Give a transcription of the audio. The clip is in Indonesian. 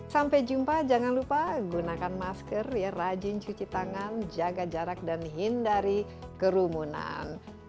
sampai jumpa jangan lupa gunakan masker rajin cuci tangan jaga jarak dan hindari kerumunan